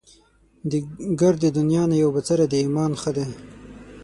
دې ګردې دنيا نه يو بڅری د ايمان ښه دی